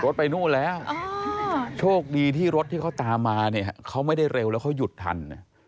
ไปนู่นแล้วโชคดีที่รถที่เขาตามมาเนี่ยเขาไม่ได้เร็วแล้วเขาหยุดทัน